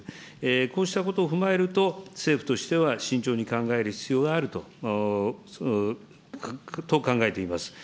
こうしたことを踏まえると、政府としては慎重に考える必要があると考えています。